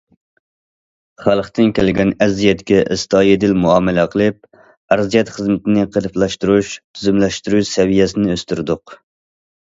خەلقتىن كەلگەن ئەرزىيەتكە ئەستايىدىل مۇئامىلە قىلىپ، ئەرزىيەت خىزمىتىنى قېلىپلاشتۇرۇش، تۈزۈملەشتۈرۈش سەۋىيەسىنى ئۆستۈردۇق.